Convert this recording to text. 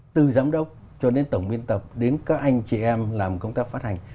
từ giám đốc cho đến tổng biên tập đến các anh chị em làm công tác phát hành